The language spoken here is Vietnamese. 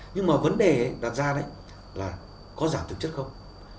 nhưng mà vấn đề đặt ra đấy là có giảm thực chất không